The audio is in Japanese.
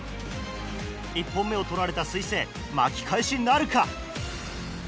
１本目を取られた彗星巻き返しなるか？